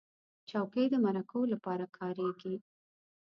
چوکۍ د مرکو لپاره کارېږي.